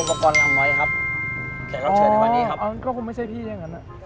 อ๋อก็ก็ผมไม่ใช่พี่ยังงั้นอ่ะ